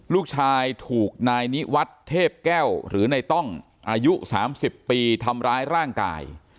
ลูกชายถูกนายนิวัฒน์เทพแก้วหรือในต้องอายุ๓๐ปีทำร้ายร่างกาย